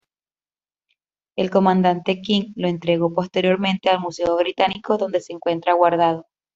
El comandante King lo entregó posteriormente al Museo Británico donde se encuentra guardado.